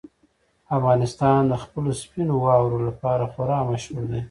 افغانستان د خپلو سپینو واورو لپاره خورا مشهور دی.